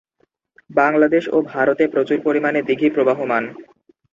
বাংলাদেশ ও ভারতে প্রচুর পরিমানে দিঘি প্রবহমান।